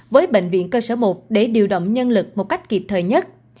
với bệnh viện cơ sở một để điều động nhân lực một cách kịp thời nhất